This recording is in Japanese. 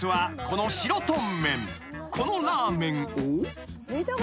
［このラーメンを］